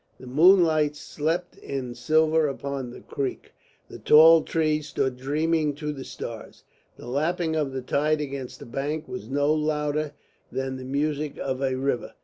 The moonlight slept in silver upon the creek; the tall trees stood dreaming to the stars; the lapping of the tide against the bank was no louder than the music of a river.